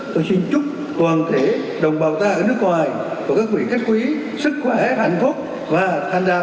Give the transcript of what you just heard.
tôi xin chúc toàn thể đồng bào ta ở nước ngoài và các quỷ kết quý sức khỏe hạnh phúc và thành đạt